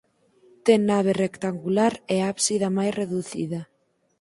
Ten nave rectangular e ábsida máis reducida.